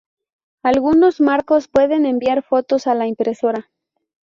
Algunos marcos pueden enviar fotos a la impresora.